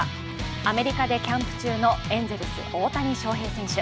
アメリカでキャンプ中のエンゼルス・大谷翔平選手。